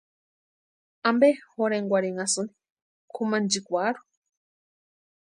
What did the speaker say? ¿Ampe jorhenkwarhinhasïni kʼumanchikwarhu?